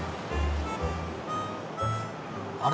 あれ？